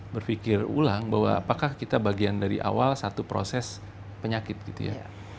berpikir ulang bahwa apakah kita bagian dari awal satu proses penyakit gitu ya